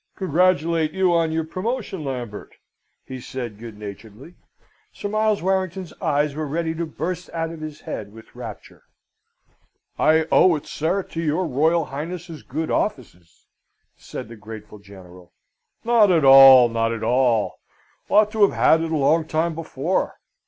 "Congratulate you on your promotion, Lambert," he said good naturedly. Sir Miles Warrington's eyes were ready to burst out of his head with rapture. "I owe it, sir, to your Royal Highness's good offices," said the grateful General. "Not at all; not at all: ought to have had it a long time before.